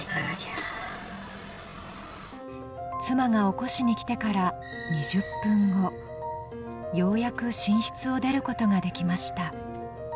妻が起こしにきてから２０分後ようやく寝室を出ることができました。